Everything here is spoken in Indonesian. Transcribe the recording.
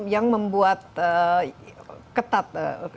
yang membuat ketat